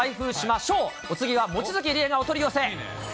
ＳＨＯＷ、お次は望月理恵がお取り寄せ。